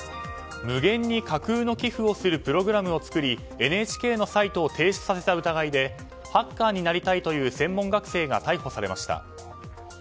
無限に架空の寄付をするプログラムを作りＮＨＫのサイトを停止させた疑いでハッカーになりたいという専門学生が逮捕されました。